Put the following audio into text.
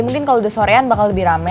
mungkin kalau udah sorean bakal lebih rame